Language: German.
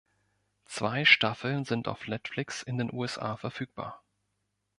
Zwei Staffeln sind auf Netflix in den USA verfügbar.